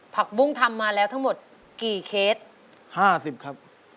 ผักบุ้งทำมาแล้วทั้งหมดกี่เคสห้าสิบครับ